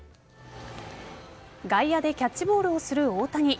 外野でキャッチボールをする大谷。